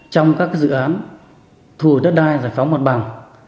trong các dự án thu hồi đất đai giải phóng mặt bằng